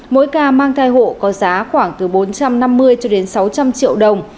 mỗi ca mang thai hộ có giá khoảng từ bốn trăm năm mươi cho đến sáu trăm linh triệu đồng